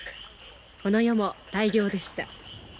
この夜も大漁でした。